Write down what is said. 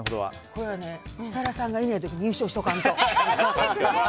これは設楽さんがいない時に優勝しとかんと！